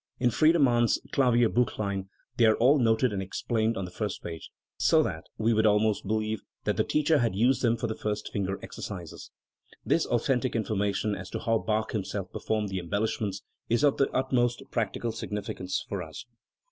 In Friedemann's Klavierbilchlein they are all noted and explained on the first page, so that we would almost believe that the teacher had used them for the first finger exercises. This authen tic information as to how Bach himself performed the em bellishments is of the utmost practical significance for us.